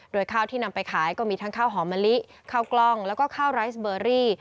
โดยข้าวที่นำไปขายก็มีทั้งข้าวหอมมะลิข้าวกล้องแล้วก็ข้าวไรสเบอรี่